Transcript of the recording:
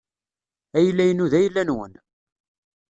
Ayla-inu d ayla-nwen.